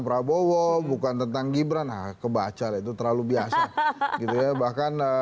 keputusan rakyat itu bukan untuk sebagian menengah d segala buah bagiannya